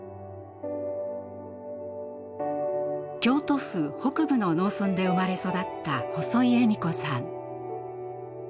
京都府北部の農村で生まれ育った細井恵美子さん。